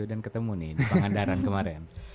dan ketemu nih di pangandaran kemarin